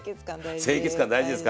清潔感大事です。